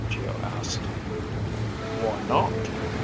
Geo asked. "Why not?"